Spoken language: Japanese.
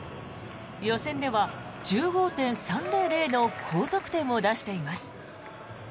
予選では１５．３００の高得点を出しています。